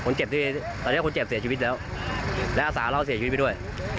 คนเจ็บที่ตอนนี้คนเจ็บเสียชีวิตแล้วและอาสาเราเสียชีวิตไปด้วย